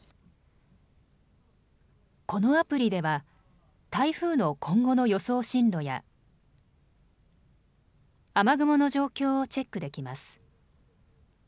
このアプリでは台風の今後の予想進路や雨雲の状況をチェックできます。